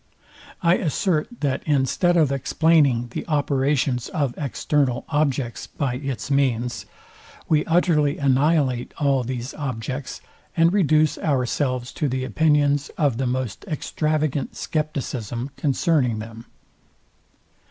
I assert, that instead of explaining the operations of external objects by its means, we utterly annihilate all these objects, and reduce ourselves to the opinions of the most extravagant scepticism concerning them.